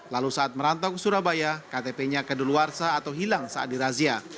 lalu saat merantau ke surabaya ktp nya kedeluarsa atau hilang saat dirazia